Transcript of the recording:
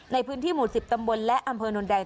ในพื้นที่หมู่๑๐ตำบลและอำเภอนนแดง